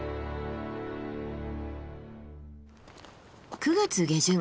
９月下旬。